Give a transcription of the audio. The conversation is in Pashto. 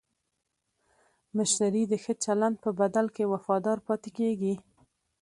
مشتری د ښه چلند په بدل کې وفادار پاتې کېږي.